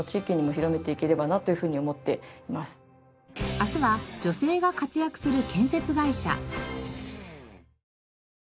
明日は女性が活躍する建設会社。